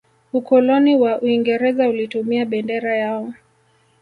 ukoloni wa uingereza ulitumia bendera yao